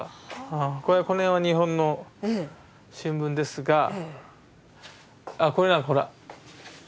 この辺は日本の新聞ですがああこれだほら。